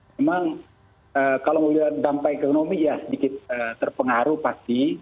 memang kalau melihat dampak ekonomi ya sedikit terpengaruh pasti